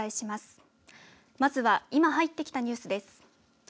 まずは、いま入ってきたニュースです。